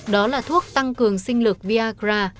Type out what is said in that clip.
đó là thuốc tăng cường sinh lực viagra